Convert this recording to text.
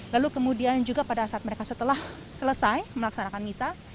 lalu kemudian juga pada saat mereka setelah selesai melaksanakan misa